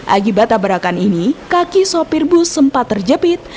akibat tabrakan ini kaki sopir bus sempat terjepit